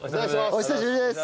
お久しぶりです。